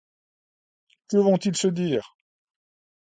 Que vont-ils se dire ?